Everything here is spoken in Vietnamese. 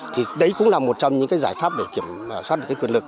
thì đấy cũng là một trong những giải pháp để kiểm soát được quyền lực